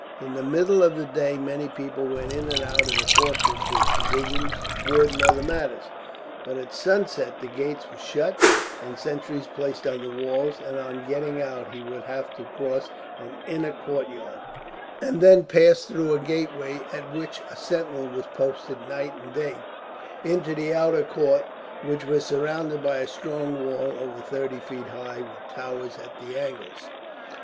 In the middle of the day many people went in and out of the fortress, with provisions, wood, and other matters; but at sunset the gates were shut, and sentries placed on the walls; and on getting out he would have to cross an inner courtyard, and then pass through a gateway at which a sentinel was posted night and day into the outer court, which was surrounded by a strong wall over thirty feet high, with towers at the angles.